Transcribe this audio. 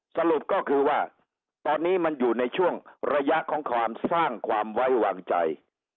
สรุปก็คือว่าตอนนี้มันอยู่ในช่วงระยะของความสร้างความไว้วางใจ